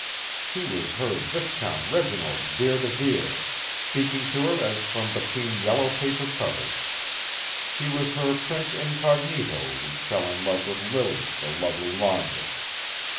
He was her Viscount Reginald Vere de Vere, speaking to her as from between yellow paper covers. He was her prince incognito who fell in love with Lily, the Lovely Laundress.